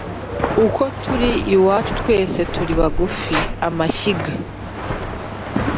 Uko turi iwacu twese turi bagufi-Amashyiga.